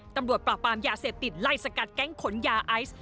ตำรวจปราบปรามยาเสพติดไล่สกัดแก๊งขนยาไอซ์